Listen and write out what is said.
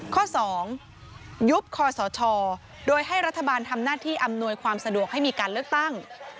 ข้อ๒ยุบคอสชโดยให้รัฐบาลทำหน้าที่อำนวยความสะดวกให้มีการเลือกตั้ง